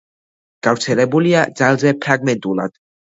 გავრცელებულია ძალზე ფრაგმენტულად.